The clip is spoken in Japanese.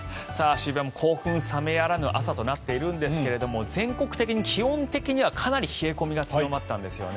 渋谷も興奮冷めやらぬ朝となっているんですが全国的に気温的はかなり冷え込みが強まったんですよね。